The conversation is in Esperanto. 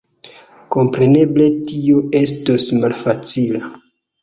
Kompreneble tio estos malfacila.